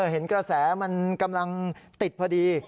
เห็นกระแสมันกำลังติดพอดี